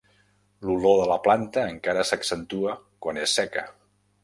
L'olor de la planta encara s'accentua quan és seca.